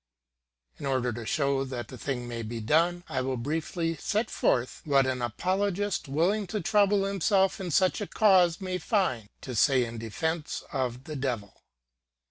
In order to show that the thing may be done, I will briefly set forth what an apologist willing to trouble himself in such a cause may find to say in defense of the Devil.